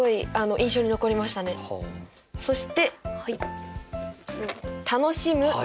そして。